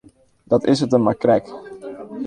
Dat is it him mar krekt.